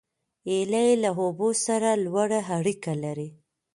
هیلۍ له اوبو سره لوړه اړیکه لري